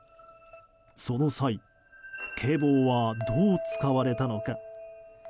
その際警棒はどう使われたのか。